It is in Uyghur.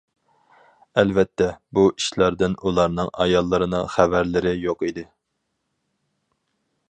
ئەلۋەتتە، بۇ ئىشلاردىن ئۇلارنىڭ ئاياللىرىنىڭ خەۋەرلىرى يوق ئىدى.